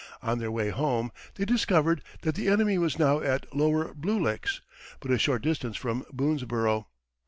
On their way home they discovered that the enemy was now at Lower Blue Licks, but a short distance from Boonesborough.